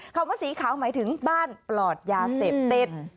คำว่าสีขาวหมายถึงบ้านปลอดยาเสพเต้น